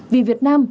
vì việt nam